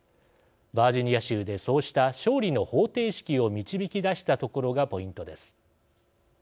バージニア州でそうした勝利の方程式を導き出したところがポイントです。